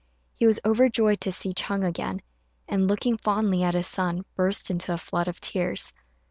He was overjoyed to see Ch'êng again, and, looking fondly at his son, burst into a flood of tears.